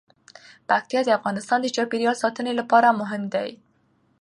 پکتیا د افغانستان د چاپیریال ساتنې لپاره مهم دي.